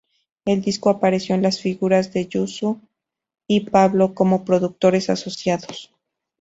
El disco apareció con las figuras de Josu y Pablo como productores asociados.